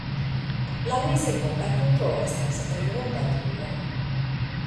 La mezepoka turo estas ronda turo.